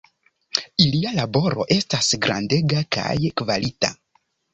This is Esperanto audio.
Ilia laboro estas grandega kaj kvalita.